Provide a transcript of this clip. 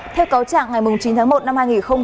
theo cáo trạng ngày chín tháng một năm hai nghìn